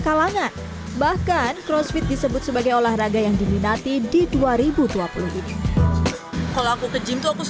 kalangan bahkan crossfit disebut sebagai olahraga yang diminati di dua ribu dua puluh ini kalau aku ke gym tuh aku